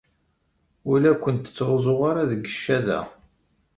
Ur la kent-ttruẓuɣ ara deg ccada.